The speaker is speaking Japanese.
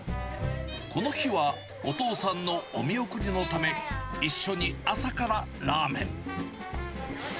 この日はお父さんのお見送りのため、一緒に朝からラーメン。